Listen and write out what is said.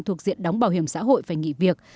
thuộc diện đóng bảo hiểm xã hội phải nghỉ việc